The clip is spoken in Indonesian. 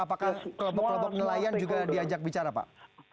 apakah kelompok kelompok nelayan juga diajak bicara pak